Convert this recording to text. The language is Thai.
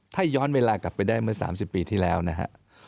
ถ้าย้อนเวลากลับไปได้เมื่อ๓๐ปีที่แล้วนะฮะ